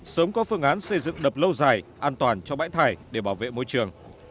sớm có phương án xây dựng đập lâu dài an toàn cho bãi thải để bảo vệ môi trường